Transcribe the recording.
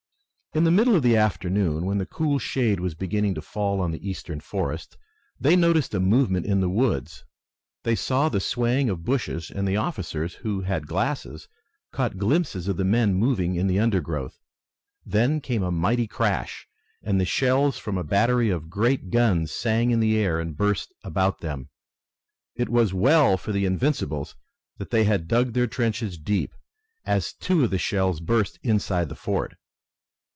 In the middle of the afternoon, when the cool shade was beginning to fall on the eastern forest, they noticed a movement in the woods. They saw the swaying of bushes and the officers, who had glasses, caught glimpses of the men moving in the undergrowth. Then came a mighty crash and the shells from a battery of great guns sang in the air and burst about them. It was well for the Invincibles that they had dug their trenches deep, as two of the shells burst inside the fort.